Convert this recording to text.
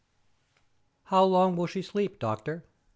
"How long will she sleep, doctor?"